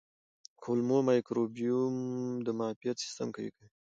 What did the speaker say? کولمو مایکروبیوم د معافیت سیستم قوي کوي.